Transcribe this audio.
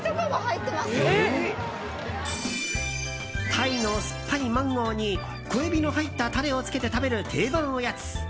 タイの酸っぱいマンゴーに小エビの入ったタレをつけて食べる、定番おやつ。